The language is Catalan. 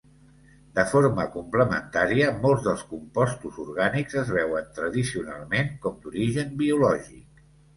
De forma complementària molts dels compostos orgànics es veuen tradicionalment com d'origen biològic.